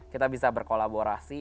kita bisa berkolaborasi